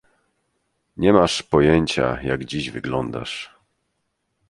Nie masz pojęcia, jak dziś wyglądasz.